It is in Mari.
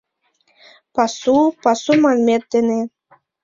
Пасу, пасу манмет дене